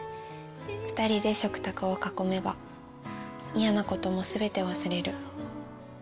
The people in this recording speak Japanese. ２人で食卓を囲めば、嫌なこともすべて忘れる。